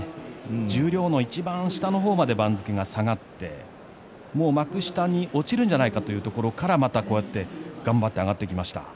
十両のいちばん下の方まで番付が下がってもう幕下に落ちるんじゃないかというところからまたこうやって頑張って上がってきました。